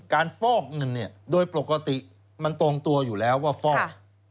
ฟอกเงินเนี่ยโดยปกติมันตรงตัวอยู่แล้วว่าฟอก